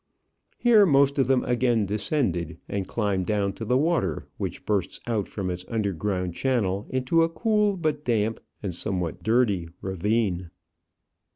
Here most of them again descended, and climbed down to the water, which bursts out from its underground channel into a cool, but damp and somewhat dirty ravine.